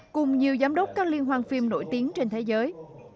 cùng nhiều giám đốc các liên hoan phim nổi tiếng trên thế giới